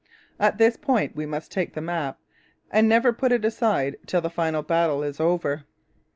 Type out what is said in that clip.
At this point we must take the map and never put it aside till the final battle is over.